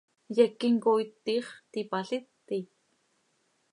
¿Yequim cooit tiix tipaliti?